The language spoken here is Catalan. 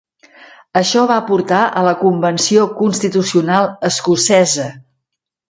Això va portar a la Convenció Constitucional Escocesa.